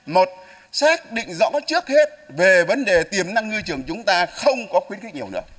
một xác định rõ trước hết về vấn đề tiềm năng ngư trường chúng ta không có khuyến khích nhiều nữa